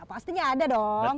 pastinya ada dong